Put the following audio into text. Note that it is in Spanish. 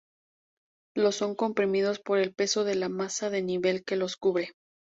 Los son comprimidos por el peso de la masa de nieve que los cubre.